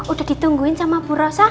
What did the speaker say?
udah ditungguin sama bu rosa